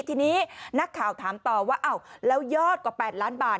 ทีนี้นักข่าวถามต่อว่าอ้าวแล้วยอดกว่า๘ล้านบาท